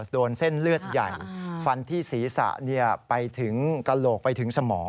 โดนเส้นเลือดใหญ่ฟันที่ศีรษะไปถึงกระโหลกไปถึงสมอง